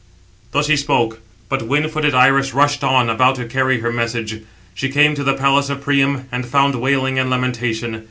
Thus he spoke; but wind footed Iris rushed on, about to carry her message. She came to [the palace] of Priam, and found wailing and lamentation.